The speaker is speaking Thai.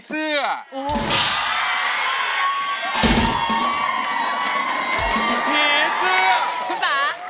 รองได้ให้ลาด